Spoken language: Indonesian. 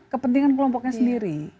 kepentingan kelompoknya sendiri